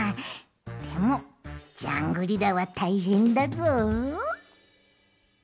でもジャングリラはたいへんだぞ。